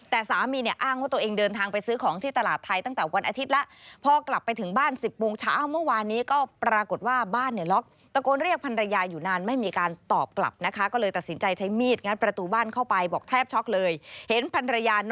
แต่สามีอ้างว่าตัวเองเดินทางไปซื้อของที่ตลาดไทยทั้งแต่วันอาทิตย์ละ